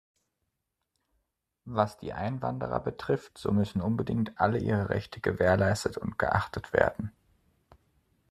Was die Einwanderer betrifft, so müssen unbedingt alle ihre Rechte gewährleistet und geachtet werden.